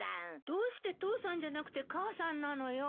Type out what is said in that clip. どうして父さんじゃなくて母さんなのよ？